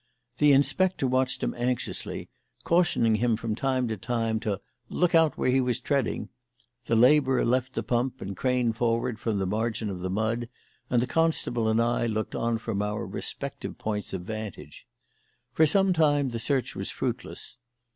The inspector watched him anxiously, cautioning him from time to time to "look out where he was treading"; the labourer left the pump and craned forward from the margin of the mud, and the constable and I looked on from our respective points of vantage. For some time the search was fruitless.